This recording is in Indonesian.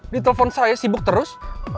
di telepon saya sibuk terus